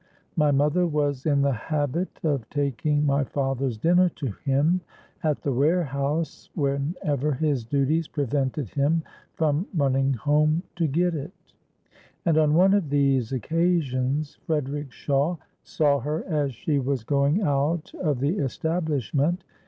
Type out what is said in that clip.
My mother was in the habit of taking my father's dinner to him at the warehouse, whenever his duties prevented him from running home to get it; and on one of these occasions, Frederick Shawe saw her as she was going out of the establishment.